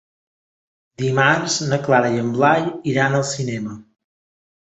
Dimarts na Carla i en Blai iran al cinema.